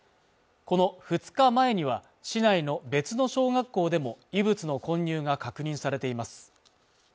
この２日前には市内の別の小学校でも異物の混入が確認されています